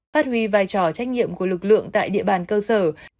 phát huy vai trò trách nhiệm của lực lượng tại địa bàn cơ sở